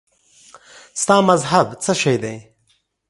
ستا مذهب څه شی دی؟